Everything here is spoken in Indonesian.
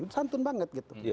santun banget gitu